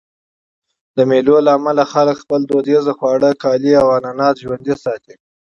د مېلو له امله خلک خپل دودیز خواړه، کالي او عنعنات ژوندي ساتي.